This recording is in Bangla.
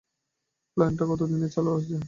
প্ল্যান্টটা কতদিনের মধ্যে চালু হচ্ছে?